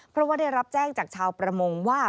เพราะว่าได้รับแจ้งจากชาวประมงว่า